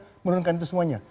untuk menurunkan itu semuanya